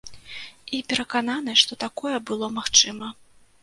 І перакананы, што такое было магчыма.